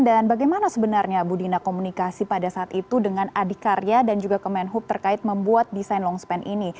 dan bagaimana sebenarnya bu dina komunikasi pada saat itu dengan adhikarya dan juga kemenhub terkait membuat desain longspan ini